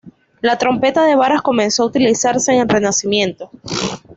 La trompeta de varas comenzó a utilizarse en el Renacimiento.